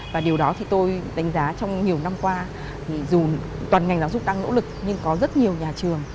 và điều đó thì tôi đánh giá trong nhiều năm qua thì dù toàn ngành giáo dục đang nỗ lực nhưng có rất nhiều nhà trường